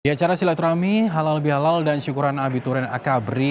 di acara silaturahmi halal bihalal dan syukuran abiturin akabri